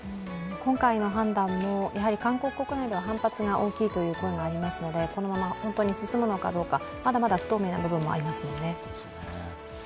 今回の判断も韓国国内では反発が大きいという声がありますのでこのまま本当に進むのかどうかまだまだ不透明な部分もありますもんね。